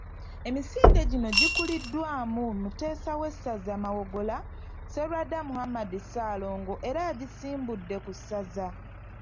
Emisinde gino gikuliddwamu Muteesa w'essaza Mawogola, Sserwadda Muhammed Ssaalongo era nga yagisimbudde ku ssaza.